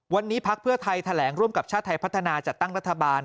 วันนี้พักเพื่อไทยแถลงร่วมกับชาติไทยพัฒนาจัดตั้งรัฐบาล